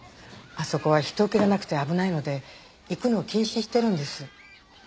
あそこは人気がなくて危ないので行くのを禁止してるんです。